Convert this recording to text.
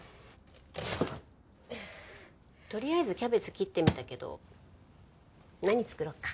とりあえずキャベツ切ってみたけど何作ろうか？